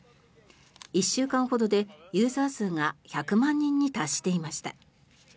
１週間ほどでユーザー数が１００万人に達していました。